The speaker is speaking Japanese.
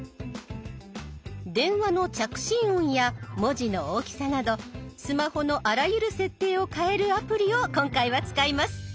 電話の着信音や文字の大きさなどスマホのあらゆる設定を変えるアプリを今回は使います。